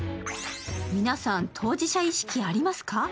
皆さん、当事者意識ありますか？